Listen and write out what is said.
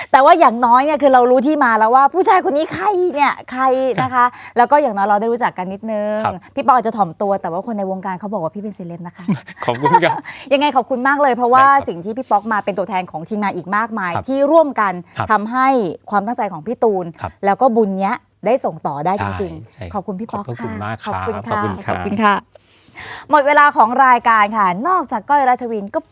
ฮ่าฮ่าฮ่าฮ่าฮ่าฮ่าฮ่าฮ่าฮ่าฮ่าฮ่าฮ่าฮ่าฮ่าฮ่าฮ่าฮ่าฮ่าฮ่าฮ่าฮ่าฮ่าฮ่าฮ่าฮ่าฮ่าฮ่าฮ่าฮ่าฮ่าฮ่าฮ่าฮ่าฮ่าฮ่าฮ่าฮ่าฮ่าฮ่าฮ่าฮ่าฮ่าฮ่าฮ่าฮ่